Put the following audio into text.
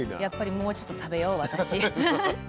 やっぱりもうちょっと食べよう私。